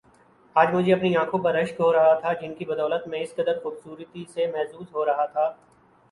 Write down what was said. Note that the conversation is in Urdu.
آج مجھے اپنی انکھوں پر رشک ہو رہا تھا جن کی بدولت میں اس قدر خوبصورتی سے محظوظ ہو رہا تھا